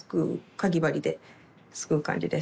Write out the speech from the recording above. かぎ針ですくう感じです。